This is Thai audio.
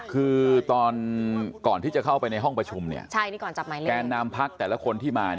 คือตอนก่อนที่จะเข้าไปในห้องประชุมแกนนำพักแต่ละคนที่มา